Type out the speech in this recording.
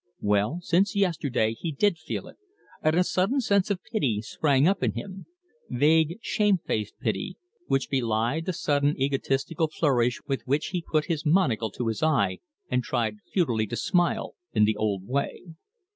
Well, since yesterday he did feel it, and a sudden sense of pity sprang up in him vague, shamefaced pity, which belied the sudden egotistical flourish with which he put his monocle to his eye and tried futilely to smile in the old way.